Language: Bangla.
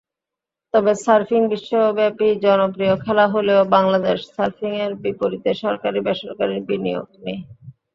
তবে সার্ফিং বিশ্বব্যাপী জনপ্রিয় খেলা হলেও বাংলাদেশে সার্ফিংয়ের বিপরীতে সরকারি-বেসরকারি বিনিয়োগ নেই।